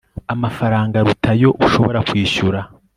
amafaranga aruta ayo ushobora kwishyura